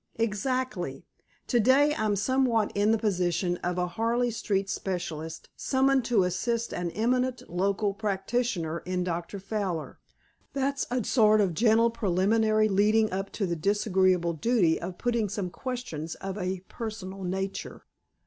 "Exactly. To day I'm somewhat in the position of a Harley street specialist, summoned to assist an eminent local practitioner in Dr. Fowler. That's a sort of gentle preliminary, leading up to the disagreeable duty of putting some questions of a personal nature.